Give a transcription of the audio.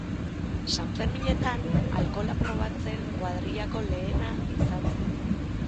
Sanferminetan alkohola probatzen kuadrillako lehena izan zen.